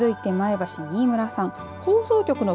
続いて前橋の新村さん。